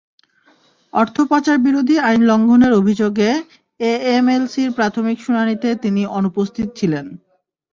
অর্থ পাচারবিরোধী আইন লঙ্ঘনের অভিযোগে এএমএলসির প্রাথমিক শুনানিতে তিনি অনুপস্থিত ছিলেন।